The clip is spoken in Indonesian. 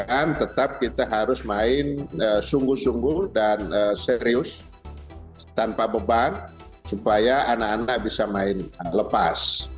dengan tetap kita harus main sungguh sungguh dan serius tanpa beban supaya anak anak bisa main lepas